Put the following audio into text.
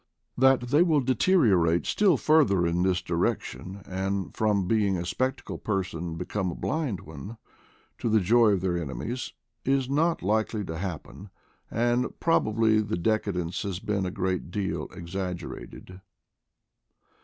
That they will deteriorate still further in this direction, and from being a spectacled people become a blind one, to the joy of their enemies, is not likely to happen, and prob ably the decadence has been a great deal exagger ated.